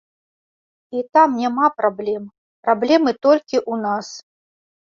І там няма праблем, праблемы толькі ў нас.